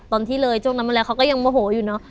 ตอนที่เลยช่วงนั้นมาแล้วเขาก็ยังโมโหอยู่เนอะ